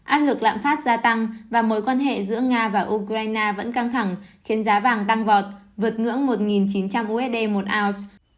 áp lực lạm phát gia tăng và mối quan hệ giữa nga và ukraine vẫn căng thẳng khiến giá vàng tăng vọt vượt ngưỡng một chín trăm linh usd một ounce